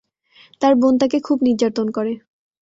তার বোন তাকে খুব নির্যাতন করে।